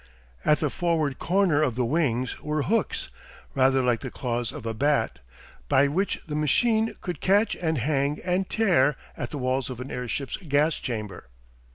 At the forward corner of the wings were hooks, rather like the claws of a bat, by which the machine could catch and hang and tear at the walls of an airship's gas chamber.